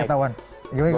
perut saya ketahuan